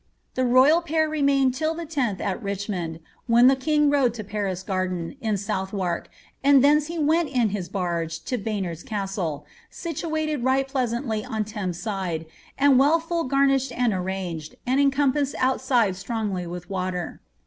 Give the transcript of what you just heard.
The royal pair remained till the 10th at Richmond, when the king rode to Paris garden, in South wark, and thence he went in his barge to Baynard's Castle, ^ situated right pleasantly on Thames' side, and full well garnished and arranged, and encompassed outside strongly with water.'"